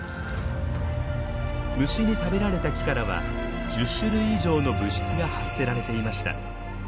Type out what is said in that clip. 虫に食べられた木からは１０種類以上の物質が発せられていました。